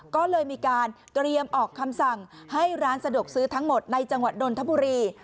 ก็เลยมีการเตรียมออกคำสั่งให้ร้านสะดวกซื้อทั้งหมดในจังหวัดนนทบุรี